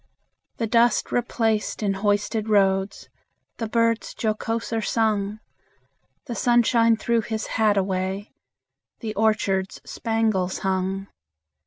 The dust replaced in hoisted roads, The birds jocoser sung; The sunshine threw his hat away, The orchards spangles hung.